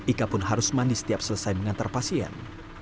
ika pun harus mandi setiap selesai mengantar pasien